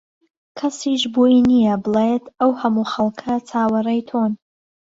کەسیش بۆی نییە بڵێت ئەو هەموو خەڵکە چاوەڕێی تۆن